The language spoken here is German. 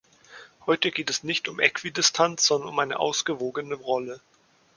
Heute geht es nicht um Äquidistanz, sondern um eine ausgewogene Rolle.